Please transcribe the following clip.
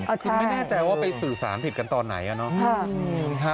คือไม่แน่ใจว่าไปสื่อสารผิดกันตอนไหนนะ